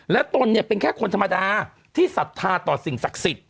และตนเนี่ยเป็นแค่คนธรรมดาที่ศรัทธาต่อสิ่งศักดิ์สิทธิ